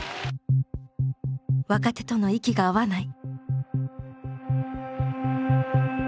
若手との息が合わない。